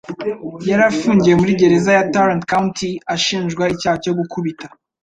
yari afungiye muri gereza ya Tarrant County ashinjwa icyaha cyo gukubita